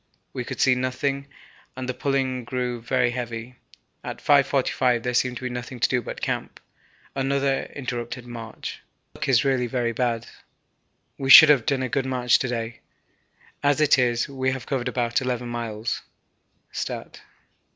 We could see nothing, and the pulling grew very heavy. At 5.45 there seemed nothing to do but camp another interrupted march. Our luck is really very bad. We should have done a good march to day, as it is we have covered about 11 miles (stat.).